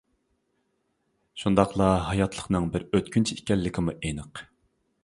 شۇنداقلا ھاياتلىقنىڭ بىر ئۆتكۈنچى ئىكەنلىكىمۇ ئېنىق.